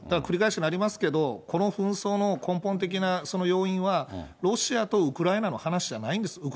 繰り返しになりますけれども、この紛争の根本的な要因は、ロシアとウクライナの話じゃないんです。